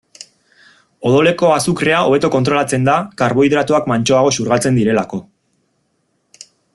Odoleko azukrea hobeto kontrolatzen da, karbohidratoak mantsoago xurgatzen direlako.